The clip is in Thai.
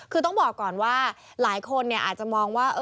คือต้องบอกก่อนว่าหลายคนอาจจะมองว่า